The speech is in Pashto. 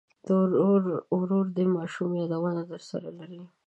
ورور د ماشومۍ یادونه درسره لري.